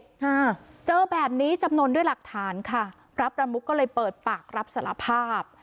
อ่าเจอแบบนี้จำนวนด้วยหลักฐานค่ะพระประมุกก็เลยเปิดปากรับสารภาพ